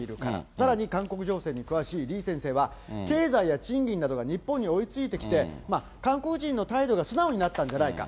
さらに韓国情勢に詳しいリ先生は、経済や賃金などが日本に追いついてきて、韓国人の態度が素直になったんじゃないか。